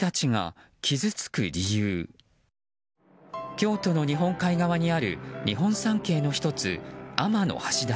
京都の日本海側にある日本三景の１つ、天橋立。